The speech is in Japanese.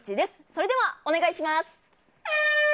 それでは、お願いします。